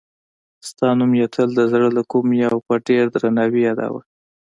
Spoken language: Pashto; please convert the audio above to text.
ستا نوم یې تل د زړه له کومې او په ډېر درناوي یادوه.